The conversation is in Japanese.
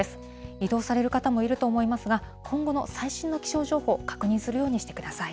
移動される方もいると思いますが、今後の最新の気象情報、確認するようにしてください。